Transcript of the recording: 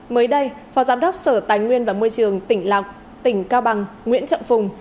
mới đây phó giám đốc sở tài nguyên và môi trường tỉnh lọc tỉnh cao bằng nguyễn trọng phùng